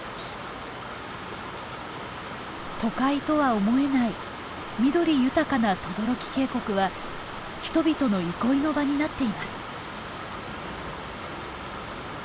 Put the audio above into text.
都会とは思えない緑豊かな等々力渓谷は人々の憩いの場になっています。